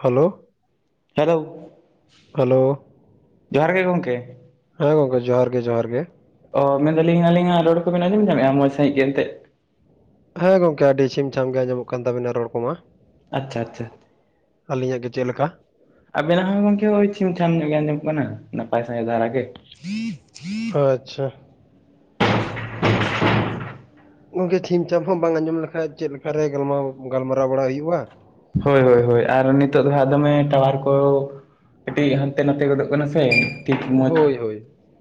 Hello, hello. Hello, ᱜᱮ ᱜᱚᱝᱠᱮ ᱦᱮᱸ ᱜᱚᱝᱠᱮ ᱡᱚᱦᱟᱨ ᱜᱮ ᱡᱚᱦᱟᱨ ᱜᱮ᱾ ᱚ ᱢᱮᱱᱫᱟᱞᱤᱧ ᱟᱹᱞᱤᱧᱟᱜ ᱨᱚᱲ ᱠᱚᱵᱤᱱ ᱟᱸᱡᱚᱢ ᱧᱟᱢᱮᱜᱼᱟ ᱢᱚᱡᱽ ᱥᱟᱹᱦᱤᱜ ᱜᱮ ᱮᱱᱛᱮ ᱦᱮᱸ ᱜᱚᱝᱠᱮ ᱟᱹᱰᱤ ᱪᱷᱤᱢ ᱪᱷᱟᱢ ᱜᱮ ᱟᱸᱡᱚᱢᱚᱜ ᱠᱟᱱ ᱛᱟᱵᱤᱱᱟ ᱨᱚᱲ ᱠᱚᱢᱟ᱾ ᱟᱪᱪᱷᱟ ᱟᱪᱪᱷᱟ᱾ ᱟᱹᱞᱤᱧᱟᱜ ᱜᱮ ᱪᱮᱫ ᱞᱮᱠᱟ? ᱟᱵᱮᱱᱟᱜ ᱦᱚᱸ ᱜᱚᱝᱠᱮ ᱳᱭ ᱪᱷᱤᱢ ᱪᱷᱟᱢ ᱧᱚᱜ ᱜᱮ ᱟᱸᱡᱚᱢᱚᱜ ᱠᱟᱱᱟ ᱱᱟᱯᱟᱭ ᱥᱟᱺᱦᱤᱡ ᱫᱷᱟᱨᱟ ᱜᱮ᱾ ᱚ ᱟᱪᱪᱷᱟ᱾ ᱜᱚᱝᱠᱮ ᱪᱷᱤᱢ ᱪᱷᱟᱯ ᱦᱚᱸ ᱵᱟᱝ ᱟᱸᱡᱚᱢ ᱞᱮᱠᱷᱟᱡ ᱪᱮᱫ ᱞᱮᱠᱟᱨᱮ ᱜᱟᱞᱢᱟᱨᱟᱣ ᱵᱟᱲᱟ ᱦᱩᱭᱩᱜᱼᱟ? ᱦᱳᱭ ᱦᱳᱭ ᱦᱳᱭ᱾ ᱟᱨ ᱱᱤᱛᱚᱜ ᱫᱚ ᱦᱟᱸᱜ ᱫᱚᱢᱮ ᱴᱟᱣᱟᱨ ᱠᱚ ᱠᱟᱹᱴᱤᱡ ᱦᱟᱱᱛᱮ ᱱᱟᱛᱮ ᱜᱚᱫᱚᱜ ᱠᱟᱱᱟ ᱥᱮ ᱴᱷᱤᱠ ᱢᱚᱸᱡᱽ, ᱦᱳᱭ ᱦᱳᱭ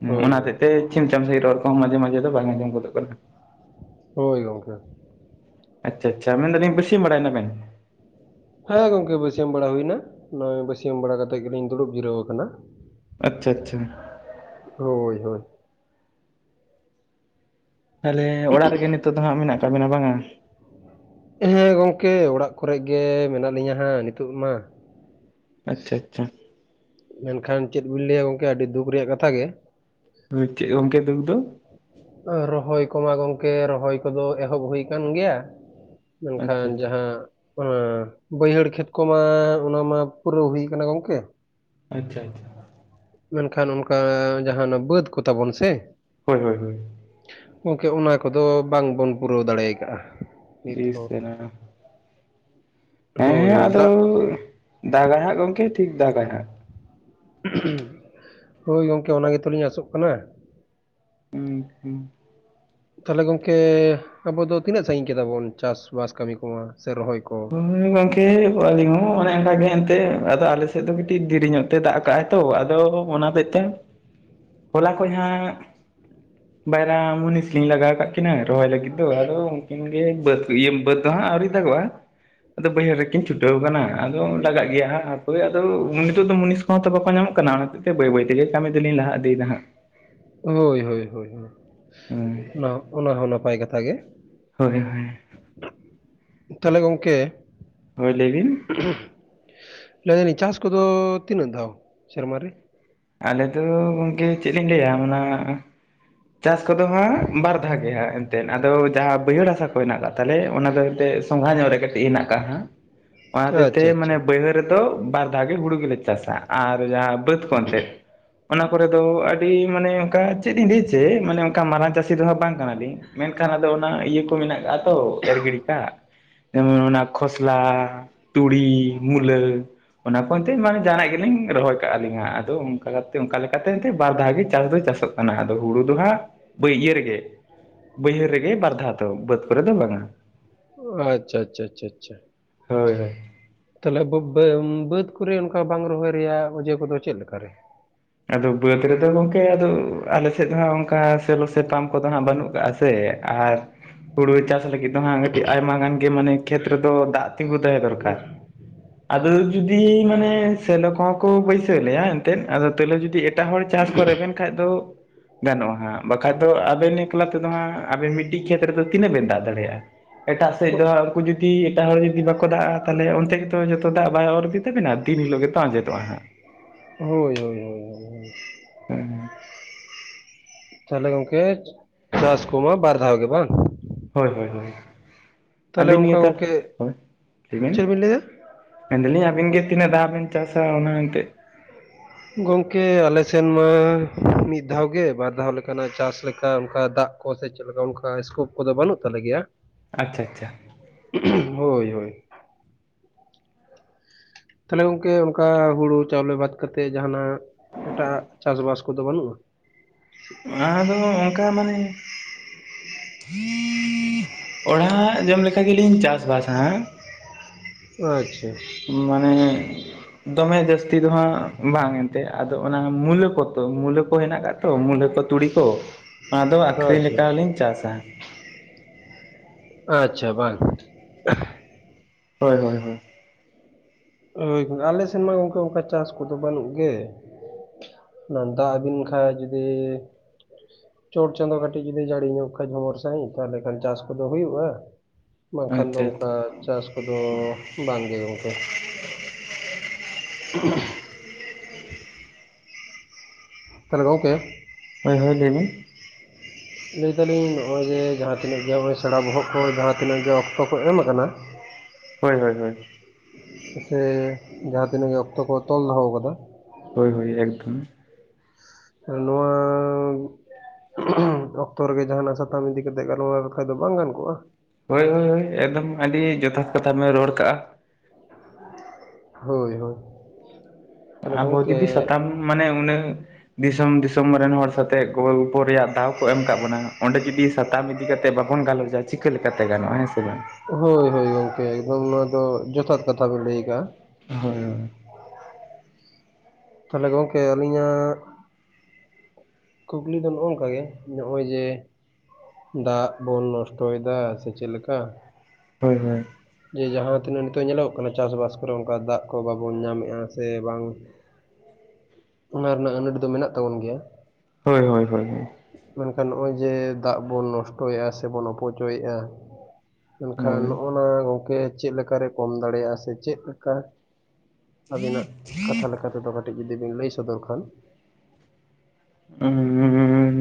ᱦᱳᱭ ᱚᱱᱟ ᱦᱳᱭ ᱦᱚᱛᱮᱜ ᱛᱮ ᱪᱷᱤᱢ ᱪᱷᱟᱢ ᱥᱟᱦᱤᱡ ᱨᱚᱲ ᱠᱚᱦᱚᱸ ᱢᱟᱡᱮ ᱢᱟᱡᱮ ᱫᱚ ᱵᱟᱝ ᱟᱸᱡᱚᱢ ᱜᱚᱫᱚᱜ ᱠᱟᱱᱟ᱾ ᱦᱳᱭ ᱜᱚᱝᱠᱮ᱾ ᱟᱪᱪᱷᱟ ᱟᱪᱪᱷᱟ, ᱢᱮᱱ ᱫᱟᱞᱤᱧ ᱵᱟᱹᱥᱤᱭᱟᱹᱢ ᱵᱟᱲᱟᱭᱱᱟ ᱵᱮᱱ? ᱦᱮᱸ ᱜᱚᱝᱠᱮ ᱵᱟᱹᱥᱭᱟᱹᱢ ᱵᱟᱲᱟ ᱦᱩᱭᱱᱟ, ᱱᱚᱜᱼᱚᱭ ᱵᱟᱹᱥᱭᱟᱹᱢ ᱵᱟᱲᱟ ᱠᱟᱛᱮᱫ ᱜᱮᱞᱤᱧ ᱫᱩᱲᱩᱵ ᱡᱤᱨᱟᱹᱣ ᱟᱠᱟᱱᱟ᱾ ᱟᱪᱪᱷᱟ ᱟᱪᱪᱷᱟ᱾ ᱦᱳᱭ ᱦᱳᱭ᱾ ᱛᱟᱞᱦᱮ ᱚᱲᱟᱜ ᱨᱮᱜᱮ ᱱᱤᱛᱚᱜ ᱫᱚ ᱦᱟᱸᱜ ᱢᱮᱱᱟᱜ ᱠᱟᱜ ᱵᱮᱱᱟ ᱵᱟᱝᱟ? ᱦᱮᱸ ᱜᱚᱝᱠᱮ ᱚᱲᱟᱜ ᱠᱚᱨᱮ ᱜᱮ ᱢᱮᱱᱟᱜ ᱞᱤᱧᱟᱹ ᱦᱟᱸᱜ ᱱᱤᱛᱳᱜ ᱢᱟ᱾ ᱟᱪᱷᱟ-ᱟᱪᱷᱟ ᱢᱮᱱᱠᱷᱟᱱ ᱪᱮᱫ ᱵᱤᱱ ᱞᱟᱹᱭᱟ ᱜᱚᱝᱠᱮ ᱟᱹᱰᱤ ᱫᱩᱠ ᱨᱮᱭᱟᱜ ᱠᱟᱛᱷᱟ ᱜᱮ ᱪᱮᱫ ᱜᱚᱝᱠᱮ ᱫᱩᱠ ᱫᱚ ᱨᱚᱦᱚᱭ ᱠᱚᱢᱟ ᱜᱚᱝᱠᱮ ᱨᱚᱦᱚᱭ ᱠᱚᱫᱚ ᱮᱦᱚᱵ ᱦᱩᱭ ᱟᱠᱟᱱ ᱜᱮᱭᱟ ᱟᱪᱪᱷᱟ ᱢᱮᱱᱠᱷᱟᱱ ᱟᱪᱪᱷᱟ ᱡᱟᱦᱟᱸ ᱚᱱᱟ ᱵᱟᱹᱭᱦᱟᱹᱲ ᱠᱷᱮᱛ ᱠᱚᱢᱟ ᱚᱱᱟ ᱢᱟ ᱯᱩᱨᱟᱹᱣ ᱦᱩᱭ ᱟᱠᱟᱱᱟ ᱜᱚᱢᱠᱮ ᱟᱪᱷᱟ-ᱟᱪᱷᱟ ᱢᱮᱱᱠᱷᱟᱱ ᱚᱱᱠᱟ ᱡᱟᱦᱟᱸᱱᱟᱜ ᱵᱟᱹᱫ ᱠᱚ ᱛᱟᱵᱚᱱ ᱥᱮ ᱦᱚᱭ-ᱦᱚᱭ-ᱦᱚᱭ ᱜᱚᱝᱠᱮ ᱚᱱᱟ ᱠᱚᱫᱚ ᱵᱟᱝᱵᱚᱱ ᱯᱩᱨᱟᱹᱣ ᱫᱟᱲᱮᱭ ᱠᱟᱜᱼᱟ ᱾ ᱥᱮᱱᱟᱜ ᱦᱮᱸ ᱦᱳᱭ ᱦᱳᱭ ᱟᱫᱚ ᱫᱟᱜ ᱫᱟᱜᱟᱭ ᱦᱟᱸᱜ ᱜᱚᱝᱠᱮ ᱴᱷᱤᱠ ᱫᱟᱜᱟᱭ ᱦᱟᱸᱜ ᱾ ᱦᱚᱭ ᱜᱚᱝᱠᱮ ᱚᱱᱟ ᱜᱮᱛᱚᱞᱤᱧ ᱟᱥᱚᱜ ᱠᱟᱱᱟ ᱾ ᱦᱩᱸ-ᱦᱩᱸ ᱪᱮᱫ ᱦᱚᱸ ᱵᱟᱝ ᱟᱸᱡᱚᱢᱚᱜ ᱠᱟᱱᱟ ᱛᱟᱦᱚᱞᱮ ᱜᱚᱝᱠᱮ ᱟᱵᱚ ᱫᱚ ᱛᱤᱱᱟᱹᱜ ᱥᱟᱺᱜᱤᱧ ᱠᱮᱫᱟᱵᱚᱱ ᱪᱟᱥᱵᱟᱥ ᱠᱟᱹᱢᱤ ᱠᱚᱢᱟ ᱥᱮ ᱨᱚᱦᱚᱭ ᱠᱚ ᱾ ᱦᱩᱸ ᱜᱚᱝᱠᱮ ᱟᱹᱞᱤᱧ ᱦᱚᱸ ᱚᱱᱮ ᱚᱱᱠᱟᱜᱮ ᱮᱱᱛᱮ ᱟᱫᱚ ᱟᱞᱮᱥᱮᱫ ᱫᱚ ᱠᱟᱹᱴᱤᱡ ᱫᱮᱨᱤ ᱧᱚᱜ ᱛᱮ ᱫᱟᱜ ᱠᱟᱜᱼᱟᱭ ᱛᱚ ᱟᱫᱚ ᱚᱱᱟ ᱦᱚᱛᱮᱡ ᱛᱮ ᱪᱮᱫ ᱦᱚᱸ ᱵᱟᱝ ᱟᱸᱡᱚᱢᱚᱜ ᱠᱟᱱᱟ ᱦᱚᱞᱟ ᱠᱷᱚᱡ ᱦᱟᱸᱜ ᱵᱟᱭᱨᱟ ᱢᱩᱱᱤᱥ ᱞᱤᱧ ᱞᱟᱜᱟᱣ ᱠᱟᱜ ᱠᱚ ᱾ ᱟᱹᱠᱤᱱᱟᱹ ᱨᱚᱦᱚᱭ ᱞᱟᱹᱜᱤᱫ ᱫᱚ ᱟᱫᱚ ᱩᱱᱠᱤᱱ ᱜᱮ ᱵᱟᱹᱫ ᱤᱭᱟᱹ ᱵᱟᱹᱫᱽ ᱫᱚ ᱦᱟᱸᱜ ᱟᱹᱣᱨᱤ ᱟᱛᱟ ᱠᱚᱣᱟ ᱟᱫᱚ ᱵᱟᱹᱭᱦᱟᱹᱲ ᱨᱮᱠᱤᱱ ᱪᱷᱩᱴᱟᱹᱣ ᱟᱠᱟᱱᱟ ᱟᱫᱚ ᱞᱟᱜᱟᱜ ᱜᱮᱭᱟ ᱦᱟᱜ ᱦᱟᱯᱚᱭ ᱟᱫᱚ ᱱᱤᱛᱚᱜ ᱫᱚ ᱢᱩᱱᱤᱥ ᱾ ᱦᱚᱸᱛᱚ ᱵᱟᱠᱚ ᱧᱟᱢᱚᱜ ᱠᱟᱱᱟ ᱚᱱᱟ ᱚᱛᱮᱡ ᱛᱮ ᱵᱟᱹᱭ-ᱵᱟᱹᱭ ᱛᱮᱜ ᱠᱟᱹᱢᱤ ᱫᱚᱞᱤᱧ ᱞᱟᱦᱟ ᱤᱫᱤᱭᱮᱫᱟ ᱦᱟᱸᱜ ᱾ ᱦᱚᱭ-ᱦᱚᱭ ᱦᱮᱸ ᱚᱱᱟ ᱚᱱᱟ ᱦᱚᱸ ᱱᱟᱯᱟᱭ ᱠᱟᱛᱷᱟ ᱜᱮ ᱾ ᱦᱚᱭ-ᱦᱚᱭ ᱛᱟᱦᱚᱞᱮ ᱜᱚᱝᱠᱮ ᱦᱚᱭ ᱞᱟᱹᱭ ᱵᱤᱱ? ᱞᱟᱹᱭ ᱫᱟᱞᱤᱧ ᱪᱟᱥ ᱠᱚᱫᱚ ᱛᱤᱱᱟᱹᱜ ᱫᱷᱟᱣ ᱥᱮᱨᱢᱟ ᱨᱮ? ᱟᱞᱮ ᱫᱚ ᱜᱚᱝᱠᱮ ᱪᱮᱫ ᱞᱤᱝ ᱞᱟᱹᱭᱟ ᱚᱱᱟ ᱪᱟᱥ ᱠᱚᱫᱚ ᱦᱟᱸᱜ ᱵᱟᱨ ᱫᱷᱟᱣ ᱜᱮᱭᱟ ᱮᱱᱛᱮᱫ ᱟᱫᱚ ᱡᱟᱦᱟᱸ ᱵᱟᱹᱭᱦᱟᱹᱲ ᱦᱟᱥᱟ ᱠᱚ ᱦᱮᱱᱟᱜ ᱟᱠᱟᱫ ᱛᱟᱞᱮ ᱚᱱᱟ ᱫᱚ ᱮᱱᱛᱮᱫᱼᱼᱼ ᱥᱚᱸᱜᱷᱟᱡ ᱧᱚᱜ ᱨᱮ ᱦᱮᱱᱟᱜ ᱟᱠᱟᱫ ᱚᱱᱟ ᱟᱪᱪᱷᱟ ᱦᱚᱛᱮᱡ ᱛᱮ ᱟᱪᱪᱷᱟ ᱢᱟᱱᱮ ᱵᱟᱹᱭᱦᱟᱹᱲ ᱨᱮᱫᱚ ᱵᱟᱨ ᱫᱷᱟᱣ ᱜᱮ ᱦᱳᱲᱳ ᱜᱮᱞᱮ ᱪᱟᱥᱟ ᱾ ᱟᱨ ᱡᱟᱦᱟᱸ ᱵᱟᱹᱫᱽ ᱠᱚ ᱮᱱᱛᱮ ᱚᱱᱟ ᱠᱚᱨᱮ ᱫᱚ ᱟᱹᱰᱤ ᱢᱟᱱᱮ ᱚᱱᱠᱟ ᱪᱮᱫ ᱤᱧ ᱞᱟᱹᱭ ᱼᱼ ᱡᱮ ᱢᱟᱱᱮ ᱚᱱᱠᱟ ᱢᱟᱨᱟᱝ ᱪᱟᱹᱥᱤ ᱫᱚᱦᱟᱜ ᱵᱟᱝ ᱠᱟᱱᱟᱞᱤᱧ ᱢᱮᱱᱠᱷᱟᱱ ᱟᱫᱚ ᱚᱱᱟ ᱤᱭᱟᱹ ᱠᱚ ᱢᱮᱱᱟᱜ ᱟᱠᱟᱫᱼᱼ ᱛᱚ ᱮᱨ ᱜᱤᱰᱤ ᱠᱟᱜ ᱡᱮᱢᱚᱱ ᱚᱱᱟ ᱠᱷᱚᱥᱞᱟ, ᱛᱩᱲᱤ, ᱢᱩᱞᱟᱹ ᱚᱱᱟ ᱠᱚ ᱮᱱᱛᱮ ᱡᱟᱦᱟᱱᱟᱜ ᱜᱮᱞᱤᱧ ᱨᱚᱦᱚᱭ ᱠᱟᱦᱞᱤᱧ ᱡᱟᱸᱜ ᱟᱫᱚ ᱚᱱᱠᱟ ᱞᱮᱠᱟᱛᱮ ᱮᱱᱛᱮ ᱵᱟᱨ ᱫᱷᱟᱣ ᱜᱮ ᱪᱟᱥ ᱫᱚ ᱪᱟᱥᱚᱜ ᱠᱟᱱᱟ ᱾ ᱫᱚ ᱦᱳᱲᱳ ᱫᱚ ᱦᱟᱸᱜ ᱤᱭᱟᱹ ᱨᱮᱜᱮ ᱵᱟᱹᱭᱦᱟᱹᱲ ᱨᱮᱜᱮ ᱵᱟᱨᱫᱷᱟᱣ ᱫᱚ ᱵᱟᱹᱫᱽ ᱠᱚᱨᱮ ᱫᱚ ᱵᱟᱝ-ᱟ ᱾ ᱚᱸ ᱟᱪᱷᱟ -ᱟᱪᱷᱟ -ᱟᱪᱷᱟ- ᱟᱪᱷᱟ ᱾ ᱦᱳᱭ ᱦᱳᱭ ᱛᱟᱦᱚᱞᱮ ᱵᱟ. ᱵᱵᱮ ᱵᱟᱹᱫᱽ ᱠᱚᱨᱮ ᱚᱱᱠᱟ ᱵᱟᱝ ᱨᱚᱦᱚᱭ ᱨᱮᱭᱟᱜ ᱚᱡᱮ ᱠᱚᱫᱚ ᱪᱮᱫ ᱞᱮᱠᱟ ᱨᱮ? ᱟᱫᱚ ᱵᱟᱹᱫᱽ ᱨᱮᱫᱚ ᱜᱚᱝᱠᱮ ᱟᱫᱚ ᱟᱞᱮᱥᱮᱫ ᱦᱟᱸᱜ ᱚᱱᱠᱟ ᱛᱮ ᱞᱚ ᱥᱮᱠᱟᱢ ᱠᱚᱫᱚ ᱦᱟᱜ ᱵᱟᱹᱱᱩᱜ ᱠᱟᱜᱼᱟ ᱥᱮ ᱟᱨ ᱦᱳᱲᱳ ᱪᱟᱥ ᱞᱟᱹᱜᱤᱫ ᱫᱚ ᱦᱟᱸᱜ ᱠᱟᱹᱴᱤᱡ ᱟᱭᱢᱟ ᱜᱟᱱ ᱜᱮ ᱢᱟᱱᱮ ᱠᱷᱮᱛ ᱨᱮᱫᱚ ᱫᱟᱜ ᱛᱤᱸᱜᱩ ᱛᱟᱦᱮᱸ ᱫᱚᱨᱠᱟᱨ ᱾ ᱟᱫᱚ ᱡᱩᱫᱤ ᱢᱟᱱᱮ ᱥᱮᱞᱚ ᱠᱚᱦᱚᱸ ᱠᱚ ᱵᱟᱹᱭᱥᱟᱹᱣ ᱞᱮᱭᱟ ᱮᱱᱛᱮᱫ ᱟ ᱛᱟᱦᱚᱞᱟᱮ ᱡᱩᱫᱤ ᱮᱴᱟᱜ ᱦᱚᱲ ᱪᱟᱥ ᱠᱚ ᱨᱮᱵᱮᱱ ᱠᱷᱟᱡ ᱫᱚ ᱜᱟᱱᱚᱜᱼᱟ ᱦᱟᱸᱜ ᱵᱟᱠᱷᱟᱡ ᱫᱚ ᱟᱵᱮᱱ ᱮᱠᱞᱟ ᱛᱮᱫᱚ ᱦᱟᱸᱜ ᱟᱵᱮᱱ ᱢᱤᱫᱴᱤᱡ ᱠᱷᱮᱛ ᱨᱮᱫᱚ ᱛᱤᱱᱟᱹᱜ ᱵᱮᱱ ᱫᱟᱜ ᱫᱟᱲᱮᱭᱟᱜᱼᱟ ᱾ ᱮᱴᱟ ᱥᱮᱡ ᱫᱚ ᱠᱩ ᱡᱩᱡ ᱠᱤ ᱮᱴᱟᱜ ᱦᱚᱲ ᱡᱩᱫᱤ ᱵᱟᱠᱚ ᱫᱟᱜᱼᱟ ᱛᱟᱦᱚᱞᱮ ᱚᱱᱛᱮ ᱜᱮᱛᱚ ᱡᱚᱛᱚ ᱫᱟᱜ ᱵᱟᱹᱭ ᱚᱨ ᱤᱫᱤ ᱛᱟᱵᱤᱱᱟ? ᱫᱤᱱ ᱦᱤᱞᱚᱜ ᱜᱮᱛᱚ ᱟᱡᱮᱫᱚᱜᱼᱟ ᱦᱟᱸᱜ ᱾ ᱦᱚᱭ -ᱦᱚᱭ -ᱦᱚᱭ -ᱦᱚᱭ ᱦᱚᱸ-ᱦᱚ ᱸ ᱛᱟᱦᱚᱞᱮ ᱜᱚᱝᱠᱮ ᱪᱟᱥ ᱠᱚᱢᱟ ᱵᱟᱨ ᱫᱷᱟᱣ ᱜᱮ ᱵᱟᱝ? ᱦᱳᱭ ᱦᱳᱭ ᱦᱳᱭ ᱛᱟᱦᱚᱞᱮ ᱟᱹᱵᱤᱱ ᱚᱱᱠᱟ ᱱᱤᱭᱟᱹᱮᱛᱟᱨ ᱜᱚᱝᱠᱮ ᱦᱳᱭ ᱞᱤᱵᱤᱱ? ᱪᱮᱫ ᱵᱤᱱ ᱞᱟᱹᱭᱟ? ᱢᱮᱱᱫᱟᱞᱤᱧ ᱟᱵᱤᱱ ᱜᱮ ᱛᱤᱱᱟᱹ ᱫᱟᱜ ᱵᱮᱱ ᱪᱟᱥᱟ ᱚᱱᱟ ᱮᱱᱛᱮᱜ? ᱜᱚᱝᱠᱮ ᱟᱞᱮ ᱥᱮᱱ ᱢᱟ ᱢᱤᱫ ᱫᱷᱟᱣ ᱜᱮ, ᱵᱟᱨᱫᱷᱟᱣ ᱞᱮᱠᱟᱱᱟᱜ ᱪᱟᱥ ᱞᱮᱠᱟ ᱚᱱᱠᱟ ᱫᱟᱜ ᱠᱚ ᱥᱮ ᱪᱮᱫ ᱞᱮᱠᱟ ᱚᱱᱠᱟ ᱥᱠᱳᱯ ᱠᱚᱫᱚ ᱵᱟᱹᱱᱩᱜ ᱛᱟᱞᱮ ᱜᱮᱭᱟ ᱾ ᱟᱪᱪᱷᱟ ᱟᱪᱪᱷᱟ᱾ ᱦᱳᱭ ᱦᱳᱭ ᱾ ᱛᱟᱦᱚᱞᱮ ᱜᱚᱝᱠᱮ ᱚᱱᱠᱟ ᱦᱩᱲᱩ ᱪᱟᱣᱞᱮ ᱵᱟᱫ ᱠᱟᱛᱮᱫ ᱡᱟᱦᱟᱱᱟᱜ ᱮᱴᱟᱜ ᱪᱟᱥ ᱵᱟᱥ ᱠᱚᱫᱚ ᱵᱟᱹᱱᱩᱜᱼᱟ? ᱟᱫᱚ ᱚᱱᱠᱟ ᱢᱟᱱᱮ [unintelligible] ᱚᱲᱟᱜ ᱡᱚᱢ ᱞᱮᱠᱟ ᱜᱮᱞᱤᱧ ᱪᱟᱥ ᱵᱟᱥᱟᱸ᱾ ᱟᱪᱪᱷᱟ᱾ ᱢᱟᱱᱮ ᱫᱚᱢᱮ ᱡᱟᱹᱥᱛᱤ ᱫᱚ ᱦᱟᱸᱜ ᱵᱟᱝ ᱮᱱᱛᱮ ᱟᱫᱚ ᱚᱱᱟ ᱢᱩᱞᱟᱹ ᱠᱚ ᱛᱚ ᱢᱩᱞᱟᱹ ᱠᱚ ᱦᱮᱱᱟᱜ ᱠᱟᱫ ᱛᱚ ᱢᱩᱞᱟᱹ ᱠᱚ ᱛᱩᱲᱤ ᱠᱚ ᱚᱱᱟ ᱫᱚ ᱟᱠᱷᱨᱤᱧ ᱟᱪᱪᱷᱟ ᱞᱮᱠᱟ ᱟᱪᱪᱷᱟ ᱦᱚᱸᱞᱤᱧ ᱪᱟᱥᱟ᱾ ᱟᱪᱪᱷᱟ ᱵᱟᱝ᱾ ᱦᱳᱭ ᱦᱳᱭ ᱦᱳᱭ᱾ ᱦᱳᱭ ᱜ [unintelligible] ᱟᱞᱮ ᱥᱮᱱ ᱢᱟ ᱜᱚᱝᱠᱮ ᱚᱱᱠᱟ ᱪᱟᱥ ᱠᱚᱫᱚ ᱵᱟᱹᱱᱩᱜ ᱜᱮ᱾ ᱱᱚᱱ ᱫᱟᱜ ᱟᱹᱵᱤᱱ ᱠᱷᱟᱡ ᱡᱩᱫᱤᱻ ᱪᱚᱴ ᱪᱟᱸᱫᱚ ᱠᱟᱹᱴᱤᱡ ᱡᱩᱫᱤ ᱡᱟᱹᱲᱤ ᱧᱚᱜ ᱠᱷᱟᱡ ᱵᱷᱚᱵᱚᱨ ᱥᱟᱺᱦᱤᱡ ᱛᱟᱦᱚᱞᱮ ᱠᱷᱟᱱ ᱪᱟᱥ ᱠᱚᱫᱚ ᱦᱩᱭᱩᱜᱼᱟ᱾ ᱵᱟᱝᱠᱷᱟᱱ ᱫᱚ ᱟᱪᱪᱷᱟ ᱟᱪᱪᱷᱟ ᱚᱱᱠᱟ ᱪᱟᱥ ᱠᱚᱫᱚ ᱵᱟᱝ ᱜᱮ ᱜᱚᱝᱠᱮ᱾ ᱟ [unintelligible] ᱛᱟᱦᱟᱞᱮ ᱜᱚᱝᱠᱮ ᱦᱳᱭ ᱦᱳᱭ ᱞᱟᱹᱭ ᱵᱤᱱ᱾ ᱞᱟᱹᱭᱫᱟᱞᱤᱧ ᱱᱚᱜ-ᱚᱭ ᱡᱮ ᱡᱟᱦᱟᱸ ᱛᱤᱱᱟᱹᱜ ᱜᱮ ᱦᱚᱸᱜ-ᱚᱭ ᱥᱮᱬᱟ ᱵᱚᱦᱚᱜ ᱠᱚ ᱡᱟᱦᱟᱸ ᱛᱤᱱᱟᱹᱜ ᱜᱮ ᱚᱠᱛᱚ ᱠᱚ ᱮᱢᱟ ᱠᱟᱱᱟ᱾ ᱦᱳᱭ ᱦᱳᱭ ᱦᱳᱭ᱾ ᱥᱮ ᱡᱟᱦᱟᱸ ᱛᱤᱱᱟᱹᱜ ᱜᱮ ᱚᱠᱛᱚ ᱠᱚ ᱛᱚᱞ ᱫᱚᱦᱚ ᱟᱠᱟᱫᱟ᱾ ᱦᱳᱭ ᱦᱳᱭ ᱮᱠᱫᱚᱢ᱾ ᱱᱚᱣᱟᱻ ᱚᱠᱛᱚ ᱨᱮᱜᱮ ᱡᱟᱦᱟᱱᱟᱜ ᱥᱟᱛᱟᱢ ᱤᱫᱤ ᱠᱟᱛᱮ ᱜᱟᱞᱢᱟᱨᱟᱣ ᱞᱮᱠᱦᱟᱡ ᱫᱚ ᱵᱟᱝ ᱜᱟᱱ ᱠᱚᱜᱼᱟ? ᱦᱳᱭ ᱦᱳᱭ ᱦᱳᱭ ᱮᱠᱫᱚᱢ ᱟᱹᱰᱤ ᱡᱚᱛᱷᱟᱛ ᱠᱟᱛᱷᱟ ᱵᱮᱱ ᱨᱚᱲ ᱠᱟᱜᱼᱟ᱾ ᱦᱳᱭ ᱦᱳᱭ᱾ ᱛᱟᱦᱚᱞᱮ ᱟᱵᱚ ᱜᱚᱝᱠᱮ ᱡᱩᱫᱤ ᱥᱟᱛᱟᱢ ᱢᱟᱱᱮ ᱩᱱᱟᱹᱜ ᱫᱤᱥᱚᱢ ᱫᱤᱥᱚᱢ ᱨᱮᱱ ᱦᱚᱲ ᱥᱟᱛᱮᱜ ᱜᱚᱞᱯᱚ ᱨᱮᱭᱟᱜ ᱫᱟᱣ ᱠᱚ ᱮᱢ ᱠᱟᱜ ᱵᱚᱱᱟ, ᱚᱸᱰᱮ ᱡᱩᱫᱤ ᱥᱟᱛᱟᱢ ᱤ ᱫᱤ ᱠᱟᱛᱮ ᱵᱟᱵᱚᱱ ᱜᱟᱞᱚᱪᱟ, ᱪᱤᱠᱟᱹ ᱞᱮᱠᱟ ᱛᱮ ᱜᱟᱱᱚᱜᱼᱟ ᱦᱮᱸ ᱥᱮ ᱵᱟᱝ? ᱦᱳᱭ ᱦᱳᱭ ᱜᱚᱢᱠᱮ ᱮᱠᱫᱚᱢ ᱱᱚᱣᱟ ᱫᱚ ᱡᱚᱛᱷᱟᱛ ᱠᱟᱛᱷᱟ ᱵᱮᱱ ᱞᱟᱹᱭ ᱠᱟᱜᱼᱟ᱾ ᱦᱳᱭ ᱦᱳᱭ᱾ ᱛᱟᱦᱚᱞᱮ ᱜᱚᱝᱠᱮ ᱟᱹᱞᱤᱧᱟᱜ ᱠᱩᱠᱞᱤ ᱫᱚ ᱱᱚᱜᱼᱚ ᱱᱚᱝᱠᱟ ᱜᱮ ᱱᱚᱜᱼᱚᱭ ᱡᱮ ᱫᱟᱜ ᱵᱚᱱ ᱱᱚᱥᱴᱚᱭ ᱫᱟ ᱥᱮ ᱪᱮᱫ ᱞᱮᱠᱟ᱾ ᱦᱳᱭ ᱦᱳᱭ᱾ ᱡᱮ ᱡᱟᱦᱟᱸ ᱛᱤᱱᱟᱹᱜ ᱱᱤᱛᱚᱜ ᱧᱮᱞᱚᱜᱚᱜ ᱠᱟᱱᱟ ᱪᱟᱥᱵᱟᱥ ᱠᱚᱨᱮ ᱚᱱᱠᱟ ᱫᱟᱜ ᱠᱚ ᱵᱟᱵᱚᱱ ᱧᱟᱢᱮᱫᱼᱟ ᱥᱮ ᱵᱟᱝ᱾ ᱚᱱᱟ ᱨᱮᱱᱟᱜ ᱟᱹᱱᱟᱹᱴ ᱫᱚ ᱢᱮᱱᱟᱜ ᱛᱟᱵᱚᱱ ᱜᱮᱭᱟ᱾ ᱦᱳᱭ ᱦᱳᱭ ᱦᱳᱭ ᱦᱳᱭ᱾ ᱢᱮᱱᱠᱷᱟᱱ ᱱᱚᱜᱼᱚᱭ ᱡᱮ ᱫᱟᱜ ᱵᱚᱱ ᱱᱚᱥᱴᱚᱭᱮᱫᱼᱟ ᱥᱮ ᱵᱚᱱ ᱚᱯᱚᱪᱚᱭᱮᱫᱼᱟ᱾ ᱢᱮᱱᱠᱷᱟᱱ ᱦᱳᱭ ᱱᱚᱜᱼᱱᱟ ᱜᱚᱝᱠᱮ ᱪᱮᱫ ᱞᱮᱠᱟᱨᱮ ᱠᱚᱢ ᱫᱟᱲᱮᱭᱟᱜᱼᱟ? ᱥᱮ ᱪᱮᱫ ᱞᱮᱠᱟ ᱟᱵᱤᱱᱟᱜ ᱠᱟᱛᱷᱟ ᱞᱮᱠᱟ ᱛᱮ ᱫᱚ ᱠᱟᱹᱴᱤᱡ ᱡᱩᱚᱫᱤ ᱵᱤᱱ ᱞᱟᱹᱭ ᱥᱚᱫᱚᱨ ᱠᱷᱟᱱ᱾ ᱮᱸᱻ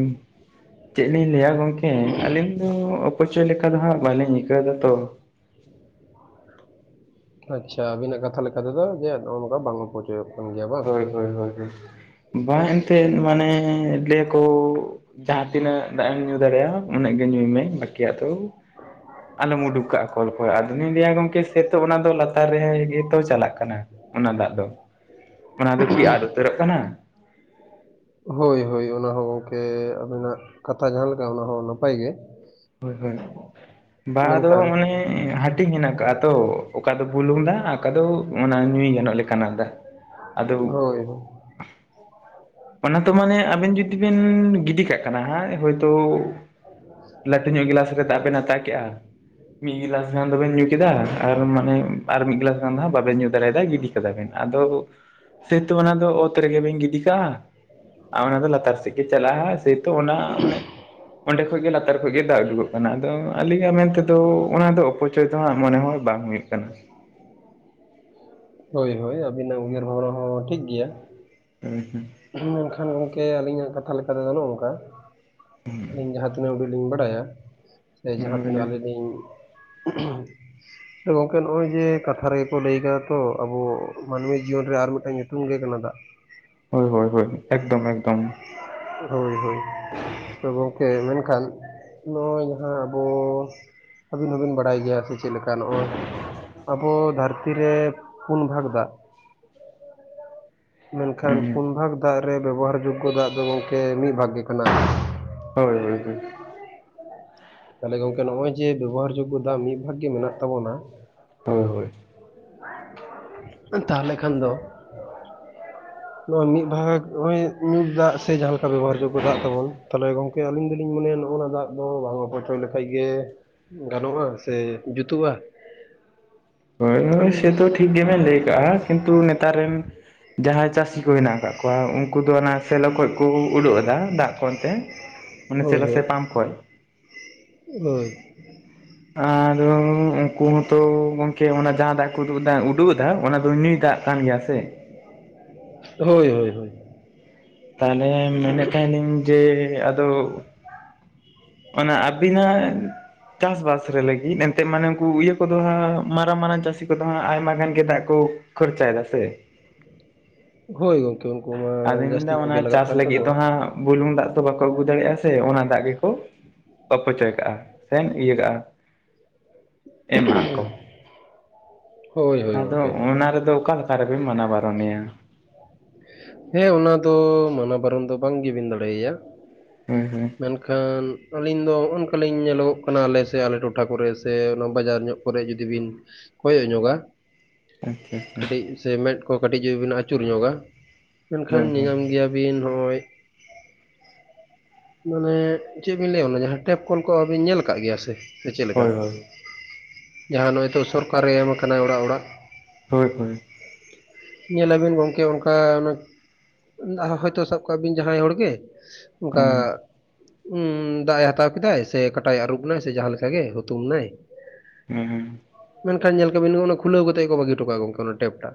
ᱪᱮᱫ ᱞᱤᱧ ᱞᱟᱹᱭᱟ ᱜᱚᱝᱠᱮ ᱟᱹᱞᱤᱧ ᱫᱚ ᱚᱯᱚᱪᱚᱭ ᱞᱮᱠᱟ ᱫᱚ ᱦᱟᱸᱜ ᱵᱟᱹᱞᱤᱧ ᱟᱹᱭᱠᱟᱹᱣ ᱫᱟ ᱛᱚ᱾ ᱟᱪᱪᱷᱟ ᱟᱵᱤᱱᱟᱜ ᱠᱟᱛᱷᱟ ᱞᱮᱠᱟᱛᱮ ᱫᱚ ᱡᱮ ᱚᱱᱼᱚᱱᱠᱟ ᱵᱟᱝ ᱚᱯᱚᱪᱚ ᱪᱚᱭᱚᱜ ᱠᱟᱱ ᱜᱮᱭᱟ᱾ ᱵᱟᱝ? ᱦᱳᱭ ᱦᱳᱭ ᱦᱳᱭ ᱦᱳᱭ, ᱵᱟᱝ ᱮᱱᱛᱮᱫ ᱢᱟᱱᱮ ᱞᱟᱹᱭᱟ ᱠᱚ ᱡᱟᱦᱟᱸ ᱛᱤᱱᱟᱹᱜ ᱫᱟᱜ ᱮᱢ ᱧᱩ ᱫᱟᱲᱮᱭᱟᱜᱼᱟ, ᱩᱱᱟᱹᱜ ᱜᱮ ᱧᱩᱭᱢᱮ ᱵᱟᱠᱤᱭᱟᱜ ᱫᱚ ᱟᱞᱚᱢ ᱩᱰᱩᱠ ᱠᱟᱜᱼᱟ ᱠᱚᱲ ᱠᱚᱲ ᱟᱫ- ᱚᱱᱮᱧ ᱞᱟᱹᱭᱟ, ᱜᱚᱝᱠᱮ ᱥᱟᱹᱭᱛᱚ ᱚᱱᱟ ᱫᱚ ᱞᱟᱛᱟᱨ ᱨᱮᱻ ᱮ ᱜᱮ ᱛᱚ ᱪᱟᱞᱟᱜ ᱠᱟᱱᱟ, ᱚᱱᱟ ᱫᱟᱜ ᱫᱚ᱾ ᱚᱱᱟ ᱫᱚ ᱠᱤ ᱟᱫ ᱩᱛᱟᱹᱨᱚᱜ ᱠᱟᱱᱟ? ᱦᱳᱭ ᱦᱳᱭ, ᱚᱱᱟ ᱦᱚ ᱜᱚᱝᱠᱮ ᱟᱹᱵᱤᱱᱟᱜ ᱠᱟᱛᱷᱟ ᱡᱟᱦᱟᱸ ᱞᱮᱠᱟ ᱚᱱᱟ ᱦᱚᱸ ᱱᱟᱯᱟᱭ ᱜᱮ᱾ ᱦᱳᱭ ᱦᱳᱭ! ᱵᱟᱝ ᱼᱟ ᱟᱫᱚ ᱢᱮᱱᱠᱷᱟᱱ ᱢᱟᱱᱮ ᱦᱟᱴᱤᱧ ᱦᱮᱱᱟᱜ ᱠᱟᱜᱼᱟ ᱛᱚ᱾ ᱚᱠᱟ ᱫᱚ ᱵᱩᱞᱩᱝ ᱫᱟᱜ ᱟᱠᱟ ᱫᱚ ᱚᱱᱟ ᱧᱩᱭ ᱜᱟᱱᱚᱜ ᱞᱮᱠᱟᱱᱟᱜ ᱫᱟᱜ᱾ ᱟᱫᱚ ᱦᱳᱻᱭ ᱦᱳᱭ᱾ ᱚᱱᱟ ᱛᱚ ᱢᱟᱱᱮ ᱟᱵᱤᱱ ᱡᱩᱫᱤ ᱵᱤᱱ ᱜᱤᱰᱤ ᱠᱟᱜ ᱠᱟᱱᱟ ᱦᱟᱸ ᱦᱳᱭ ᱛᱳ ᱞᱟᱹᱴᱩ ᱧᱚᱜ ᱜᱮᱞᱟᱥ ᱨᱮ ᱫᱟᱜ ᱵᱮᱱ ᱦᱟᱛᱟ ᱠᱮᱜᱼᱟ, ᱢᱤᱜ ᱜᱮᱞᱟᱥ ᱜᱟᱱ ᱫᱚᱵᱤᱱ ᱧᱩᱸ ᱠᱮᱫᱟ ᱟᱨ ᱢᱟᱱᱮ ᱟᱨ ᱢᱤᱜ ᱜᱮᱞᱟᱥ ᱜᱟᱱ ᱫᱚ ᱦᱟᱸᱜ ᱵᱟᱵᱮᱱ ᱧᱩᱸ ᱫᱟᱲᱮᱭᱟᱫᱟᱜᱼᱟ ᱜᱤᱰᱤ ᱠᱟᱫᱟ ᱵᱤᱱ ᱟᱫᱚ ᱥᱟᱹᱭᱛᱚ ᱚᱱᱟᱫᱚ ᱚᱛ ᱨᱮᱜᱮ ᱵᱤᱱ ᱜᱤᱰᱤ ᱠᱟᱜᱼᱟ, ᱟ ᱚᱱᱟ ᱫᱚ ᱞᱟᱛᱟᱨ ᱥᱮᱜ ᱜᱮ ᱪᱟᱞᱟᱜᱼᱟ, ᱥᱟᱹᱭᱛᱚ ᱚᱱᱟ ᱢᱟᱱᱮᱜ ᱚᱸᱰᱮ ᱠᱷᱚᱡ ᱜᱮ ᱞᱟᱛᱟᱨ ᱠᱷᱚᱡ ᱜᱮ ᱫᱟᱜ ᱩᱰᱩᱠᱚᱜ ᱚᱱᱟᱜ ᱫᱚ ᱟᱹᱞᱤᱧᱟᱜ ᱢᱮᱱ ᱛᱮᱫᱚ ᱚᱱᱟ ᱫᱚ ᱚᱯᱚᱪᱚᱭ ᱛᱚᱦᱟᱸᱜ ᱢᱚᱱᱮ ᱦᱚᱭ ᱵᱟᱝ ᱦᱩᱭᱩᱜ ᱠᱟᱱᱟ᱾ ᱦᱳᱭ ᱦᱳᱭ ᱟᱹᱵᱤᱱᱟᱜ ᱩᱭᱦᱟᱹᱨ ᱵᱷᱟᱵᱽᱱᱟ ᱦᱚᱸ ᱴᱷᱤᱠ ᱜᱮᱭᱟ᱾ ᱦᱮᱸ ᱦᱮᱸ᱾ [unintelligible] ᱢᱮᱱᱠᱷᱟᱱ ᱜᱚᱝᱠᱮ ᱟᱹᱞᱤᱧᱟᱜ ᱠᱟᱛᱷᱟ ᱞᱮᱠᱟ ᱨᱮ ᱜᱟᱱᱚᱜᱼᱟ ᱚᱱᱠᱟ, ᱟᱹᱞᱤᱧ ᱡᱟᱦᱟᱸ ᱛᱤᱱᱟᱹᱜ ᱩᱰᱤᱡ ᱞᱤᱧ ᱵᱟᱲᱟᱭᱟ ᱥᱮ ᱡᱟᱦᱟᱸ ᱛᱤᱱᱟᱹᱜ ᱦᱩᱸ ᱟᱹᱞᱤᱧ ᱞᱤᱧᱻ [inaudible] ᱦᱮᱸ ᱜᱚᱝᱠᱮ ᱱᱚᱜᱼᱚᱭ ᱦᱮᱸ ᱠᱟᱛᱷᱟ ᱨᱮᱜᱮ ᱠᱚ ᱞᱟᱹᱭ ᱟᱠᱟᱜᱼᱟ ᱛᱚ ᱟᱵᱚ ᱢᱟᱹᱱᱢᱤ ᱡᱤᱭᱚᱱ ᱨᱮ ᱟᱨ ᱢᱤᱫᱴᱟᱝ ᱧᱩᱛᱩᱢ ᱞᱟᱹᱭ ᱱᱟᱢᱟᱫᱟᱜᱼᱟ᱾ ᱦᱳᱭ ᱦᱳᱭ ᱦᱳᱭ ᱮᱠᱫᱚᱢ ᱮᱠᱫᱚᱢ᱾ ᱦᱳᱭ ᱦᱳᱭ, ᱛᱚ ᱜᱚᱝᱠᱮ ᱢᱮᱱᱠᱷᱟᱱ ᱱᱚᱜᱼᱚᱭ ᱱᱟᱦᱟᱜ ᱵᱚᱱ ᱟᱹᱵᱤᱱ ᱦᱚᱸᱵᱤᱱ ᱵᱟᱲᱟᱭ ᱜᱮᱭᱟ ᱥᱮ ᱪᱮᱫ ᱞᱮᱠᱟ, ᱱᱚᱜᱼᱚᱭ ᱟᱵᱚ ᱫᱷᱟᱹᱨᱛᱤ ᱨᱮ ᱯᱩᱱ ᱵᱷᱟᱜᱽ ᱫᱟᱜ ᱢᱮᱱᱠᱷᱟᱱ ᱦᱩᱸ ᱯᱩᱱ ᱵᱷᱟᱜᱽ ᱫᱟᱜ ᱨᱮ ᱵᱮᱵᱚᱦᱟᱨ ᱡᱳᱜᱽ ᱜᱚ ᱫᱟᱜ ᱫᱚ ᱜᱚᱝᱠᱮ ᱢᱤᱜ ᱵᱷᱟᱜᱽ ᱜᱮ ᱠᱟᱱᱟ᱾ ᱦᱳᱭ ᱦᱳᱭ ᱦᱳᱭ ᱾ ᱛᱟ ᱦᱚᱞᱮ ᱜᱚᱝᱠᱮ ᱱᱚᱜᱼᱚᱭ ᱡᱮ ᱵᱮᱵᱚᱦᱟᱨ ᱡᱳᱜᱽᱜᱚ ᱫᱟᱜ ᱢᱤᱫ ᱵᱷᱟᱜ ᱜᱮ ᱢᱮᱱᱟᱜ ᱛᱟᱵᱚᱱᱟ, ᱦᱳᱭ ᱦᱳᱭ, [inaudible] ᱛᱟᱦᱚᱞᱮ ᱠᱷᱟᱱ ᱫᱚ ᱱᱚᱜᱼᱚᱭ ᱢᱤᱜ ᱵᱷᱟᱜᱽ ᱱᱚᱜᱼᱚᱭ ᱧᱩᱸ ᱫᱟᱜ ᱥᱮ ᱡᱟᱦᱟᱸ ᱞᱮᱠᱟ ᱵᱮᱵᱚᱦᱟᱨ ᱡᱳᱜᱽᱜᱚ ᱫᱟᱜ ᱛᱟᱵᱚᱱ, ᱛᱟᱦᱚᱞᱮ ᱜᱚᱝ ᱠᱮ ᱟᱹᱞᱤᱧ ᱫᱩᱞᱤᱧ ᱢᱚᱱᱮᱭᱟ ᱱᱚᱜᱼᱱᱚᱣᱟ ᱫᱟᱜ ᱫᱚ ᱵᱷᱟᱵᱚ ᱯᱚᱪᱚᱲ ᱞᱮᱠᱷᱟᱡ ᱜᱮ ᱜᱟᱱᱚᱜᱼᱟ, ᱥᱮ ᱡᱩᱛᱩᱜᱼᱟ? ᱦᱮᱸ ᱦᱳᱭ ᱥᱮᱛᱚ ᱴᱷᱤᱠ ᱜᱮᱵᱮᱱ ᱞᱟᱹᱭ ᱠᱟᱜᱼᱟ, ᱠᱤᱱᱛᱩ ᱱᱮᱛᱟᱨ ᱨᱮᱱ ᱡᱟᱦᱟᱸᱭ ᱪᱟᱹᱥᱤ ᱠᱚ ᱦᱮᱱᱟᱜ ᱟᱠᱟᱜ ᱠᱚᱣᱟ ᱩᱸᱠᱩ ᱫᱚ ᱚᱱᱟ ᱥᱮᱞᱚ ᱠᱷᱚᱡ ᱠᱚ ᱩᱰᱩᱜ ᱮᱫᱟ ᱫᱟᱜ ᱠᱚ ᱮᱸᱛᱮ᱾ ᱦᱳᱭ ᱦᱳᱭ [inaudible] ᱦᱳᱭ᱾ ᱟᱻᱫᱚ ᱩᱸᱠᱩ ᱦᱚᱸᱛᱚ ᱜᱚᱝᱠᱮ ᱚᱱᱟ ᱡᱟᱦᱟᱸ ᱫᱟᱜ- ᱠᱚ ᱩᱫᱩᱠ ᱮᱫᱟ ᱩᱰᱩᱜ ᱛᱟᱦᱮᱸ ᱚᱱᱟ ᱫᱚ ᱧᱩᱭ ᱫᱟᱜ ᱠᱟᱱ ᱜᱮᱭᱟ ᱥᱮ? ᱦᱳᱭ ᱦᱳᱭ ᱦᱳᱭ᱾ ᱛᱟᱦᱮᱞᱮ ᱢᱮᱱᱮᱫ ᱛᱟᱦᱮᱱᱤᱧᱻ ᱡᱮ ᱟᱫᱚ ᱚᱱᱟ ᱟᱹᱵᱤᱱᱟᱝ ᱪᱟᱥ ᱵᱟᱥ ᱨᱮ ᱞᱟᱹᱜᱤᱫ ᱮᱱᱛᱮᱜ ᱢᱟᱱᱮ ᱩᱝᱠᱩ ᱤᱭᱟᱹ ᱠᱚᱫᱚ ᱦᱟᱸᱜ ᱢᱟᱨᱟᱝ ᱢᱟᱨᱟᱝ ᱪᱟᱹᱥᱤ ᱠᱚᱫᱚ ᱦᱟᱸᱜ ᱟᱭᱢᱟ ᱜᱟᱱ ᱜᱮ ᱫᱟᱜ ᱠᱚ ᱠᱷᱚᱨᱪᱟ ᱮᱫᱟ ᱥᱮ? ᱦᱳᱭ ᱜᱚᱝᱠᱮ ᱩᱱᱠᱩ ᱢᱟ ᱟᱫᱚᱧ ᱡᱟᱹᱥᱛᱤ ᱢᱮᱱᱫᱟ ᱠᱚᱜᱮ ᱚᱱᱟ ᱞᱟᱜᱟᱜ ᱪᱟᱥ ᱠᱟᱱ ᱞᱟᱹᱜᱤᱫ ᱫᱚ ᱛᱟᱠᱚᱣᱟ᱾ ᱦᱟᱸᱜ ᱵᱩᱞᱩᱝ ᱫᱟᱜ ᱛᱚ ᱵᱟᱠᱚ ᱟᱹᱜᱩ ᱫᱟᱲᱮᱭᱟᱜᱼᱟ ᱥᱮ ᱚᱱᱟ ᱫᱟᱜ ᱜᱮᱠᱚ ᱚᱯᱚᱪᱚᱭ ᱠᱟᱜᱼᱟ, ᱥᱮᱢ ᱤᱭᱟᱹ ᱠᱟᱜᱼᱟ᱾ ᱮᱢ ᱟᱜ ᱦᱳᱭ ᱦᱳᱭ ᱠᱚ᱾ᱟᱻᱫᱚ ᱜᱚᱝᱠᱮ ᱚᱱᱟ ᱨᱮᱫᱚ ᱚᱠᱟᱢ- ᱚᱠᱟᱨᱮᱵᱮᱱ ᱢᱟᱱᱟ ᱵᱟᱨᱚᱱᱮᱭᱟ᱾ ᱦᱮᱸ ᱚᱱᱟ ᱫᱚ ᱢᱟᱱᱟ ᱵᱟᱨᱚᱱ ᱫᱚ ᱵᱟᱝ ᱜᱮᱵᱤᱱ ᱫᱟᱲᱮ ᱟᱭᱟ, ᱦᱩᱸ ᱦᱩᱸ ᱾ ᱢᱮᱱᱠᱷᱟᱱ ᱟᱹᱞᱤᱧ ᱫᱚ ᱱᱚᱜᱼᱚ ᱱᱚᱠᱟ ᱞᱤᱧ ᱧᱮᱞᱚᱜᱚᱜ ᱠᱟᱱᱟ ᱟᱞᱮ ᱥᱮ, ᱟᱞᱮ ᱴᱚᱴᱷᱟ ᱠᱚᱨᱮ ᱥᱮ ᱚᱱᱟ ᱵᱟᱡᱟᱨ ᱧᱚᱜ ᱠᱚᱨᱮ ᱡᱩᱫᱤ ᱵᱤᱱ ᱠᱚᱭᱚᱜ ᱧᱚᱜᱟ? ᱟᱪᱪᱷᱟ ᱦᱮᱸ! ᱪᱮ ᱢᱮᱫ ᱠᱚ ᱠᱟᱹᱴᱤᱡ ᱮᱵᱤᱱ ᱟᱹᱪᱩᱨ ᱧᱚᱜᱟ, ᱦᱳᱭ ᱢᱮᱱᱠᱷᱟᱱ ᱦᱳᱭ ᱧᱮᱧᱟᱢ ᱜᱮᱭᱟᱵᱤᱱ ᱱᱚᱜᱼᱚᱭ ᱢᱟᱱᱮ ᱪᱮᱫ ᱵᱤᱱ ᱞᱟᱹᱭᱟ ᱚᱱᱟ ᱡᱟᱦᱟᱸ ᱴᱮᱯ ᱠᱚᱞ ᱠᱚᱵᱤᱱ ᱧᱮᱞ ᱠᱟᱜ ᱜᱮᱭᱟ ᱥᱮ ᱥᱮ ᱪᱮᱞᱮᱠᱟ? ᱦᱳᱭ ᱦᱳᱭ ᱡᱟᱦᱟᱸ ᱱᱚᱜᱼᱚᱭ ᱛᱚ ᱥᱚᱨᱠᱟᱨᱮ ᱮᱢᱠᱟᱱᱟ ᱚᱲᱟᱜ ᱚᱲᱟᱜ᱾ ᱦᱳᱭ ᱦᱳᱭ ᱾ ᱧᱮᱞᱟᱵᱤᱱ ᱜᱚᱝᱠᱮ ᱚᱱᱠᱟ ᱦᱚᱭᱛᱚ ᱥᱟᱵ ᱠᱟᱜ ᱵᱤᱱ ᱡᱟᱦᱟᱸᱭ ᱦᱚᱲ ᱜᱮ ᱚᱱᱠᱟ ᱦᱩᱸ ᱩ ᱫᱟᱜ ᱮ ᱦᱟᱛᱟᱣ ᱠᱤᱫᱟᱭ ᱥᱮ ᱠᱟᱴᱟᱭ ᱟᱹᱨᱩᱵ ᱱᱟᱭ ᱥᱮ ᱡᱟᱦᱟᱸ ᱞᱮᱠᱟ ᱜᱮ ᱦᱩᱛᱩᱢ ᱱᱟᱭ ᱦᱩᱸ ᱦᱩᱸ ᱢᱮᱱᱠᱷᱟᱱ ᱧᱮᱞ ᱠᱟᱵᱤᱱ ᱚᱱᱟ ᱠᱷᱩᱞᱟᱹᱣ ᱠᱟᱛᱮᱜ ᱜᱮ ᱠᱚ ᱵᱟᱹᱜᱤ ᱦᱚᱴᱚ ᱠᱟᱜᱼᱟ ᱜᱚᱝᱠᱮ, ᱚᱱᱟ ᱴᱮᱯ ᱴᱟᱜ᱾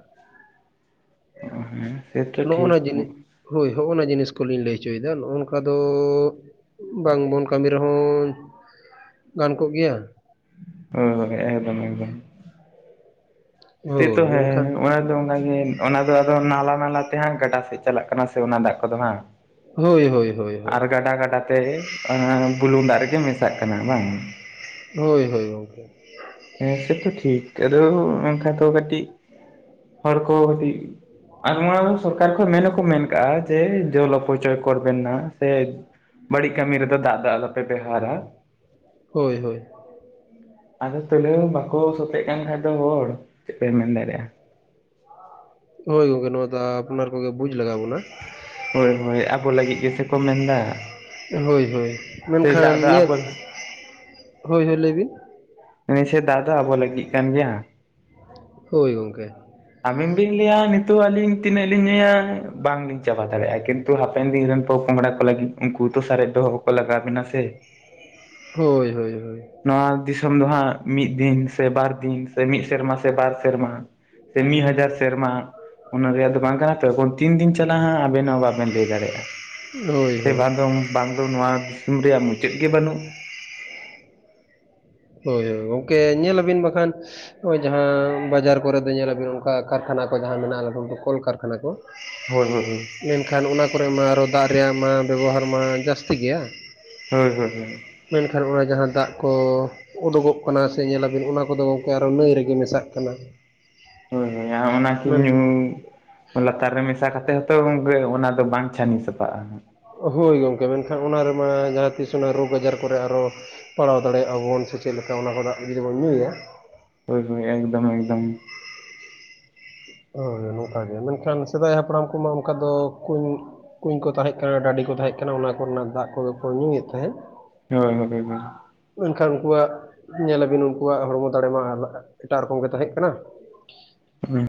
ᱦᱮᱸ ᱥᱮᱛᱚ ᱱᱚᱜᱼᱚ ᱴᱷᱤᱠ ᱱᱚᱣᱟ ᱡᱤᱱᱤᱥ᱾ ᱦᱳᱭ ᱦᱚᱜᱼᱚᱱᱟ ᱡᱤᱱᱤᱥ ᱠᱚᱞᱤᱧ ᱞᱟᱹᱭ ᱦᱚᱪᱚᱭᱮᱫᱟ, ᱱᱚᱜᱼᱚ ᱱᱚᱝᱠᱟ ᱫᱚ ᱵᱟᱝᱵᱚᱱ ᱠᱟᱹᱢᱤ ᱨᱮᱦᱚᱸ ᱜᱟᱱ ᱠᱚᱜ ᱜᱮᱭᱟ᱾ ᱦᱳᱭ ᱦᱳᱭ ᱮᱠᱫᱚᱢ ᱮᱠᱫᱚᱢ ᱾ ᱥᱮ ᱛᱚ ᱦᱳᱭ ᱦᱮ ᱢᱮᱱᱠᱷᱟᱱ ᱚᱱᱟ ᱫᱚ ᱚᱱᱟᱜᱮ᱾ ᱚᱱᱟ ᱫᱚ ᱟᱫᱚ ᱱᱟᱞᱟ ᱱᱟᱞᱟ ᱛᱮ ᱦᱟᱸᱜ ᱜᱟᱰᱟ ᱥᱮᱫ ᱪᱟᱞᱟᱜ ᱠᱟᱱᱟ, ᱥᱮ ᱚᱱᱟ ᱫᱟᱜ ᱠᱚᱫᱚ ᱦᱟᱸᱜ ᱦᱳᱭ ᱦᱳᱭ ᱦᱳᱭ ᱦᱳᱭ ᱟᱨ ᱜᱟᱰᱟ ᱜᱟᱰᱟ ᱛᱮ ᱵᱩᱞᱩᱝ ᱫᱟᱜ ᱨᱮᱜᱮ ᱢᱮᱥᱟᱜ ᱠᱟᱱᱟ ᱵᱟᱝ? ᱦᱳᱭ ᱦᱳᱭ ᱜᱚᱝᱠᱮ ᱾ ᱦᱮᱸ ᱥᱮ ᱛᱚ ᱴᱷᱤᱠ᱾ ᱟᱫᱚ ᱠᱷᱟᱱ ᱫᱚ ᱠᱟᱹᱴᱤᱡ ᱦᱚᱲ ᱠᱚ ᱠᱟᱹᱴᱤᱡ ᱟᱨ ᱱᱚᱣᱟ ᱥᱚᱨᱠᱟᱨ ᱠᱷᱚᱱ ᱢᱮᱱ ᱦᱚᱸᱠᱚ ᱢᱮᱱ ᱠᱟᱜᱼᱟ, ᱡᱮ ᱡᱚᱞ ᱚᱯᱚᱪᱚᱭ ᱠᱚᱨᱵᱮᱱ ᱱᱟ ᱥᱮ ᱵᱟᱹᱲᱤᱡ ᱠᱟᱹᱢᱤ ᱨᱮ ᱫᱚ ᱫᱟᱜ ᱫᱚ ᱟᱞᱚᱯᱮ ᱵᱮᱵᱽᱦᱟᱨᱟ᱾ ᱦᱳᱭ ᱦᱳᱭ ᱾ ᱟᱫᱚ ᱛᱩᱞᱟᱹᱣ ᱵᱟᱠᱚ ᱥᱩᱛᱮᱜ ᱠᱟᱱ ᱠᱷᱟᱡ ᱫᱚ ᱦᱚᱲ ᱪᱮᱫ ᱯᱮ ᱢᱮᱱ ᱫᱟᱲᱮᱭᱟᱜᱼᱟ᱾ ᱦᱳᱭ ᱜᱚᱝᱠᱮ ᱱᱚᱣᱟ ᱫᱚ ᱟᱯᱱᱟᱨ ᱠᱚᱜᱮ ᱵᱩᱡᱽ ᱞᱟᱜᱟᱣ ᱵᱚᱱᱟ᱾ ᱦᱳᱭ ᱦᱳᱭ ᱟᱵᱚ ᱞᱟᱹᱜᱤᱫ ᱜᱮᱥᱮ ᱠᱚ ᱢᱮᱱ ᱫᱟ᱾ ᱦᱳᱭ ᱦᱳᱭ ᱾ ᱢᱮᱱᱠᱷᱟᱱ ᱤᱧᱟᱹᱜ ᱟᱵᱚ ᱦᱳᱭ ᱦᱳᱭ ᱞᱟᱹᱭ ᱵᱤᱱ [unintelligible] ᱫᱟᱜ ᱫᱚ ᱟᱵᱚ ᱞᱟᱹᱜᱤᱫ ᱠᱟᱱ ᱜᱮᱭᱟ᱾ ᱦᱳᱭ ᱜᱚᱝᱠᱮ ᱾ ᱟᱵᱮᱱ ᱵᱮᱱ ᱞᱟᱹᱭᱟ ᱱᱤᱛᱚᱜ ᱟᱹᱞᱤᱧ ᱛᱤᱱᱟᱹᱜ ᱞᱤᱧ ᱧᱩᱭᱟ, ᱵᱟᱝᱞᱤᱧ ᱪᱟᱵᱟ ᱫᱟᱲᱮᱭᱟᱜᱼᱟ ᱠᱤᱱᱛᱩ ᱛᱚ ᱦᱟᱯᱮᱱ ᱫᱤᱱ ᱨᱮᱱ ᱯᱚᱼᱯᱚᱸᱜᱲᱟ ᱠᱚ ᱞᱟᱹᱜᱤᱫ ᱩᱱᱠᱩ ᱛᱚ ᱥᱟᱨᱮᱡ ᱫᱚ ᱩᱯᱟᱹᱭ ᱞᱟᱜᱟᱣ ᱟᱵᱮᱱᱟ ᱥᱮ? ᱦᱳᱭ ᱦᱳᱭ ᱦᱳᱭ ᱾ ᱱᱚᱣᱟ ᱫᱤᱥᱚᱢ ᱫᱚ ᱦᱟᱸᱜ ᱢᱤᱫ ᱫᱤᱱ ᱥᱮ ᱵᱟᱨ ᱫᱤᱱ ᱥᱮ ᱢᱤᱫ ᱥᱮᱨᱢᱟ ᱥᱮ ᱵᱟᱨ ᱥᱮᱨᱢᱟ ᱥᱮ ᱢᱤᱫ ᱦᱟᱡᱟᱨ ᱥᱮᱨᱢᱟ ᱚᱱᱟ ᱨᱮᱭᱟᱜ ᱫᱚ ᱵᱟᱝ ᱠᱟᱱᱟ ᱛᱚ ᱛᱤᱱ ᱫᱤᱱ ᱪᱟᱞᱟᱜ ᱦᱟᱸᱜ, ᱟᱵᱮᱱ ᱦᱚᱸ ᱵᱟᱵᱮᱱ ᱞᱟᱹᱭ ᱫᱟᱲᱮᱭᱟᱜᱼᱟ᱾ ᱥᱮ ᱦᱳᱭ ᱵᱟᱝ ᱫᱚ ᱵᱟᱝ ᱫᱚ ᱱᱚᱣᱟ ᱫᱤᱥᱚᱢ ᱨᱮᱭᱟᱜ ᱢᱩᱪᱟᱹᱫ ᱜᱮ ᱵᱟᱹᱱᱩᱜ? ᱦᱳᱭ ᱦᱳᱭ ᱜᱚᱝᱠᱮ ᱧᱮᱞᱟᱵᱮᱱ ᱵᱟᱠᱷᱟᱱ ᱱᱚᱜᱼᱚᱭ ᱡᱟᱦᱟᱸ ᱵᱟᱡᱟᱨ ᱠᱚᱨᱮ ᱫᱚ ᱧᱮᱞ ᱟᱹᱵᱤᱱ ᱚᱱᱠᱟ ᱠᱟᱨᱠᱷᱟᱱᱟ ᱠᱚ ᱡᱟᱦᱟᱸ ᱢᱮᱱᱟᱜᱼᱟ, ᱞᱟᱹᱴᱩ ᱠᱚᱞ ᱠᱟᱨᱠᱷᱟᱱᱟ ᱠᱚ ᱦᱳᱭ ᱦᱳᱭ ᱦᱩᱸ ᱢᱮᱱᱠᱷᱟᱱ ᱚᱱᱟ ᱠᱚᱨᱮ ᱢᱟ ᱟᱨᱚ ᱫᱟᱜ ᱨᱮᱭᱟᱜ ᱢᱟ ᱵᱮᱵᱚᱦᱟᱨ ᱢᱟ ᱡᱟᱹᱥᱛᱤ ᱜᱮᱭᱟ᱾ ᱦᱳᱭ ᱦᱳᱭ ᱦᱳᱭ᱾ ᱢᱮᱱᱠᱷᱟᱱ ᱚᱱᱟ ᱡᱟᱦᱟᱸ ᱫᱟᱜ ᱠᱚ ᱩᱰᱩᱜᱚᱜ ᱠᱟᱱᱟ ᱥᱮ ᱧᱮᱞᱟᱵᱤᱱ ᱚᱱᱟ ᱠᱚᱫᱚ ᱜᱚᱢᱠᱮ ᱟᱨᱚ ᱱᱟᱹᱭ ᱨᱮᱜᱮ ᱢᱮᱥᱟᱜ ᱠᱟᱱᱟ᱾ ᱦᱳᱭ ᱦᱳᱭ᱾ ᱟᱨ ᱚᱱᱟ ᱠᱤ ᱢᱮᱱ ᱧᱩ ᱞᱟᱛᱟᱨ ᱨᱮ ᱢᱮᱥᱟ ᱠᱟᱛᱮᱜ ᱦᱚᱸᱛᱚ ᱚᱱᱟ ᱫᱚ ᱵᱟᱝ ᱪᱷᱟᱹᱱᱤ ᱥᱟᱯᱷᱟᱜᱼᱟ᱾ ᱦᱳᱭ ᱜᱚᱢᱠᱮ᱾ ᱢᱮᱱᱠᱷᱟᱱ ᱚᱱᱟ ᱨᱮᱢᱟ ᱡᱟᱦᱟᱸ ᱛᱤᱥ ᱚᱱᱟ ᱨᱳᱜᱽ ᱟᱡᱟᱨ ᱠᱚᱨᱮ ᱟᱨᱚ ᱯᱟᱲᱟᱣ ᱫᱟᱲᱮᱭᱟᱜᱼᱟ ᱵᱚᱱ, ᱥᱮ ᱪᱮᱫ ᱞᱮᱠᱟ ᱚᱱᱟ ᱠᱚ ᱫᱟᱜ ᱡᱩᱫᱤ ᱵᱚᱱ ᱧᱩᱭᱟ? ᱦᱳᱭ ᱦᱳᱭ ᱮᱠᱫᱚᱢ ᱮᱠᱫᱚᱢ ᱾ ᱦᱳᱭ ᱱᱚᱝᱠᱟ ᱜᱮ᱾ ᱢᱮᱱᱠᱷᱟᱱ ᱥᱮᱫᱟᱭ ᱦᱟᱯᱲᱟᱢ ᱠᱚᱢᱟ ᱚᱱᱠᱟ ᱫᱚ ᱠᱩᱧ ᱠᱩᱧ ᱠᱚ ᱛᱟᱦᱮᱸ ᱠᱟᱱᱟ ᱰᱟᱹᱰᱤ ᱠᱚ ᱛᱟᱦᱮᱸ ᱠᱟᱱᱟ, ᱚᱱᱟ ᱠᱚᱨᱮᱱᱟᱜ ᱫᱟᱜ ᱠᱚᱫᱚ ᱠᱚ ᱧᱩᱭᱮᱫ ᱛᱟᱦᱮᱸᱫ ᱾ ᱦᱳᱭ ᱦᱳᱭ ᱾ ᱢᱮᱱᱠᱷᱟᱱ ᱩᱱᱠᱩᱣᱟᱜ ᱧᱮᱞᱟᱵᱤᱱ ᱩᱱᱠᱩᱣᱟᱜ ᱦᱚᱲᱢᱚ ᱫᱟᱲᱮ ᱢᱟ ᱮᱴᱟᱜ ᱨᱚᱠᱚᱢ ᱜᱮ ᱛᱟᱦᱮᱸ ᱠᱟᱱᱟ᱾ [inaudible]